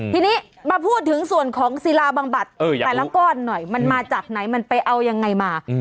ทีนี้มาพูดถึงส่วนของศิลาบำบัดแต่ละก้อนหน่อยมันมาจากไหนมันไปเอายังไงมา